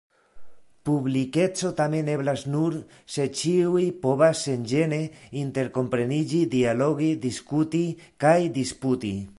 Publikeco tamen eblas nur, se ĉiuj povas senĝene interkompreniĝi, dialogi, diskuti kaj disputi.